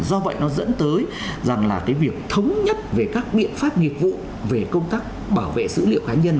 do vậy nó dẫn tới rằng là cái việc thống nhất về các biện pháp nghiệp vụ về công tác bảo vệ dữ liệu cá nhân